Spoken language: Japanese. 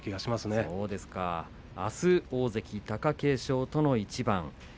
阿炎あすは大関貴景勝との一番です。